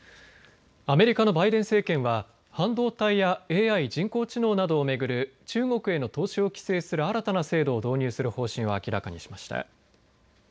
アメリカのバイデン政権は半導体やＡＩ・人工知能などを巡る中国への投資を規制する新たな制度を導入する方針を明らかにしました。